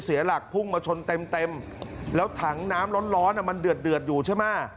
เสียหลักพุ่งมาชนเต็มเต็มแล้วถังน้ำร้อนมันเดือดอยู่ใช่ไหม